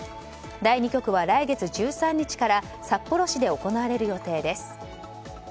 第２局は来月１３日から札幌市で行われる予定です。